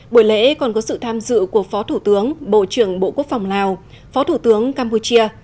buổi lễ còn có sự tham dự của phó thủ tướng bộ trưởng bộ quốc phòng lào phó thủ tướng campuchia